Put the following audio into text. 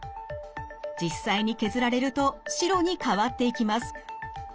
実際に削られると白に変わっていきます。